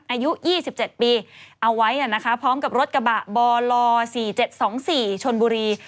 อายุ๒๗ปีเอาไว้พร้อมกับรถกระบะบล๔๗๒๔ชนบุรี